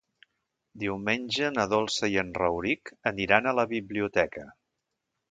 Diumenge na Dolça i en Rauric aniran a la biblioteca.